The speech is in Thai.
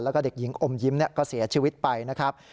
แล้วก็เด็กหญิงอมยิ้มก็เสียชีวิตไปนะครับ